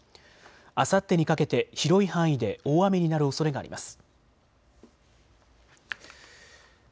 あさってにかけて広い範囲で大雨になるおそれがあります。